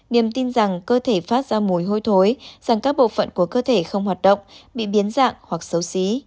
niềm tin rằng cơ thể phát ra mùi hôi thối rằng các bộ phận của cơ thể không hoạt động bị biến dạng hoặc xấu xí